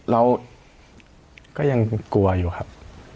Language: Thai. เราก็ยังกลัวอยู่ครับ